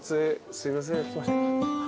すいません。